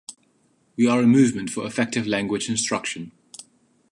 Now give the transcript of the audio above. We are a movement for effective language instruction.